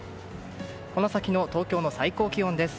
この先の東京の最高気温です。